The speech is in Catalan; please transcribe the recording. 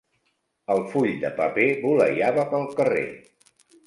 El full de paper voleiava pel carrer.